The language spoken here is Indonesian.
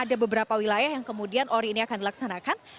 ada beberapa wilayah yang kemudian ori ini akan dilaksanakan